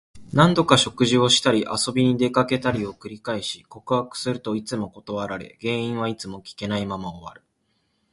何度か食事をしたり、遊びに出かけたりを繰り返し、告白するといつも断られ、原因はいつも聞けないまま終わる。